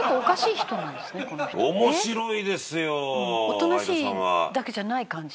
おとなしいだけじゃない感じ。